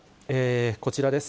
こちらです。